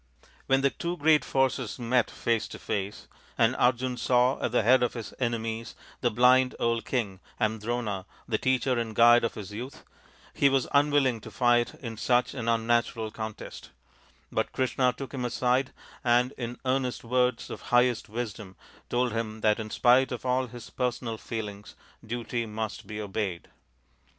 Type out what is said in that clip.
When the two great forces met face to face, and Arjun saw at the head of his enemies the blind old king and Drona, the teacher and guide of his youth, he was unwilling to fight in such an unnatural contest ; but Krishna took him aside and in earnest words of THE FIVE TALL SONS OF PANDU 103 highest wisdom told him that, in spite of all his personal feelings. Duty must be obeyed.